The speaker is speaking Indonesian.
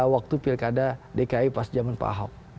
waktu pilkada dki pas jaman pahaw